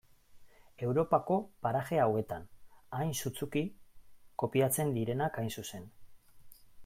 Europako paraje hauetan hain sutsuki kopiatzen direnak hain zuzen.